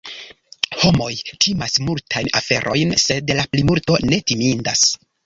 Homoj timas multajn aferojn, sed la plimulto ne timindas.